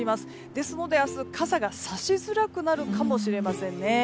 ですので明日、傘がさしづらくなるかもしれないです。